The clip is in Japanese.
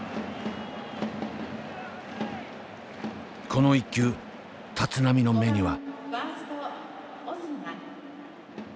この１球立浪の目には。